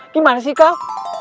gimana sih kau